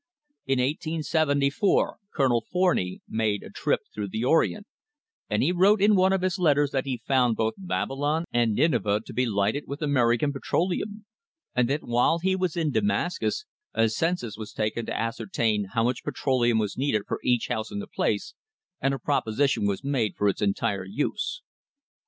In 1874 Colonel Forney made a trip through the Orient, and he wrote in one of his letters that he found both Babylon and Nineveh to be lighted with American petroleum, and that while he was in Damascus a census was taken to ascertain how much petroleum was needed for each house in the place, and a proposition was made for its entire use.